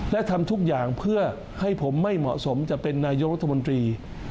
และทำทุกอย่างเพื่อให้ผมไม่เหมาะสมจะเป็นนายกรัฐมนตรี